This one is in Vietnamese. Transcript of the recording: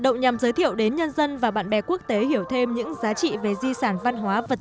động nhằm giới thiệu đến nhân dân và bạn bè quốc tế hiểu thêm những giá trị về di sản văn hóa vật